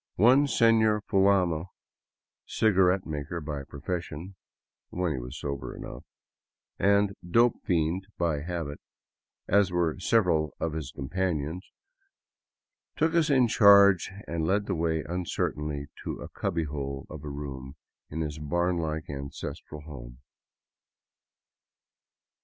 One Sefior Fulano, cigarette maker by profession — when he was sober enough — and " dope fiend " by habit, as were several of his companions, took us in charge and led the way uncertainly to a cubby hole of a room in his barn like ancestral home.